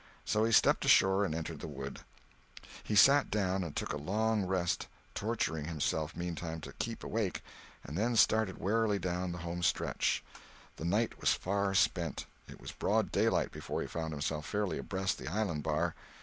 So he stepped ashore and entered the woods. He sat down and took a long rest, torturing himself meanwhile to keep awake, and then started warily down the home stretch. The night was far spent. It was broad daylight before he found himself fairly abreast the island bar.